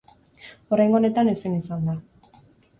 Oraingo honetan ezin izan da.